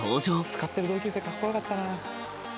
使ってる同級生かっこよかったな。